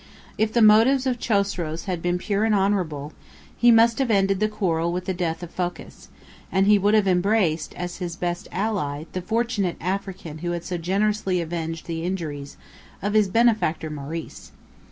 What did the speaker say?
If the motives of Chosroes had been pure and honorable, he must have ended the quarrel with the death of Phocas, and he would have embraced, as his best ally, the fortunate African who had so generously avenged the injuries of his benefactor Maurice.